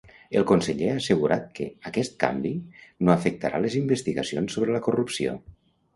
El conseller ha assegurat que aquest canvi no afectarà les investigacions sobre la corrupció.